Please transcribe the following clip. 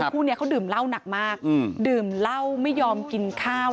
คู่นี้เขาดื่มเหล้าหนักมากดื่มเหล้าไม่ยอมกินข้าว